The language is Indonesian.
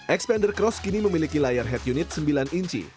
expander cross kini memiliki layar head unit sembilan inci